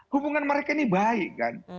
hubungan mereka ini baik kan